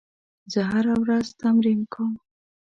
زه هره ورځ تمرین کوم.